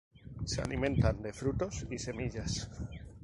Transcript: Se alimentan de frutos y semillas.